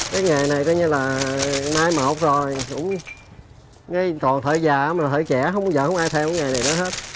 cái nghề này coi như là nay mọt rồi còn thời già mà thời trẻ không ai theo cái nghề này nữa hết